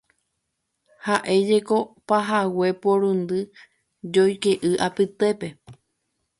Ha'éjeko pahague porundy joyke'y apytépe.